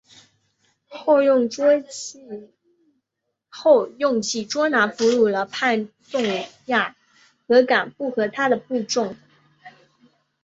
后又用计捉拿俘虏了叛将札合敢不和他的部众。